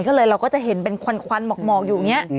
ก็เลยเราก็จะเห็นเป็นควันหมอกอยู่อย่างนี้